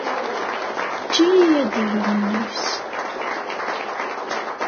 Eǧǧ-iyi ad d-rreɣ nnefs.